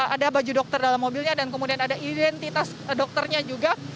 ada baju dokter dalam mobilnya dan kemudian ada identitas dokternya juga